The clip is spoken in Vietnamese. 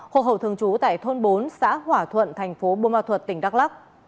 hộ hậu thường trú tại thôn bốn xã hỏa thuận thành phố bô ma thuật tỉnh đắk lắc